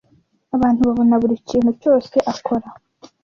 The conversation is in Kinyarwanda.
Abantu babona buri kintu cyose akora.